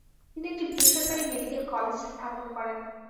তিনি একটি বেসরকারী মেডিক্যাল কলেজ স্থাপন করেন।